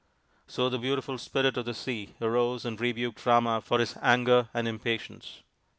So the beautiful Spirit of the Sea arose and rebuked Rama for his anger and impatience.